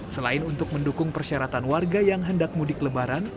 selain untuk mendukung persyaratan warga yang hendak mudik lebaran